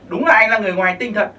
đúng là anh là người ngoài hành tinh thật